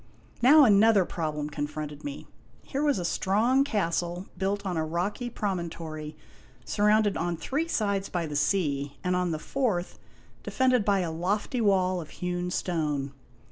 Now another problem confronted me. Here was a strong cas tle built on a rocky promontory surrounded on three sides by the sea, and on the fourth defended by a lofty wall of hewn stone.